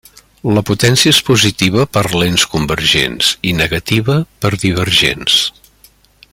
La potència és positiva per lents convergents i negativa per divergents.